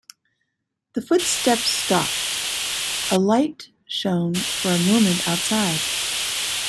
The footsteps stopped, a light shone for a moment outside.